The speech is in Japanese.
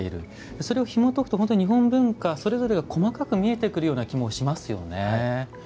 それをひもとくと日本文化、それぞれが細かく見えてくる気がしますよね。